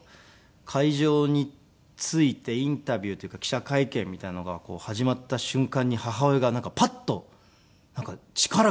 会場に着いてインタビューというか記者会見みたいなのが始まった瞬間に母親がなんかパッと力が入ったというか。